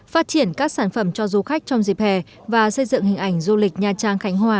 phát triển các sản phẩm cho du khách trong dịp hè và xây dựng hình ảnh du lịch nha trang khánh hòa